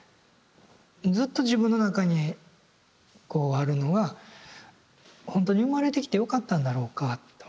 ずっと自分の中にこうあるのが「ほんとに生まれてきてよかったんだろうか」と。